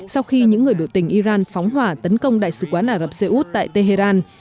sau khi những người biểu tình iran phóng hỏa tấn công đại sứ quán ả rập xê út tại tehran